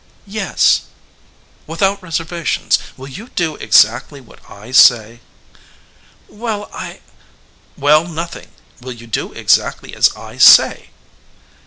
"Yes." "Without reservations? Will you do exactly what I say?" "Well, I " "Well nothing! Will you do exactly as I say?"